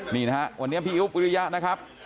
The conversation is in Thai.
นี่นะครับวันนี้มันพี่อู๋ปูริยะนะครับ